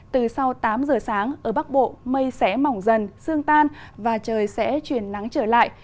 từ sau tám giờ sáng ở bắc bộ mây sẽ mỏng dần xương tan và trời sẽ chuyển nắng trở lại